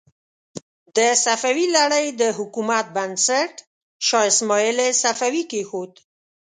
د صفوي لړۍ د حکومت بنسټ شاه اسماعیل صفوي کېښود.